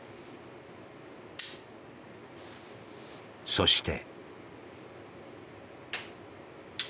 そして。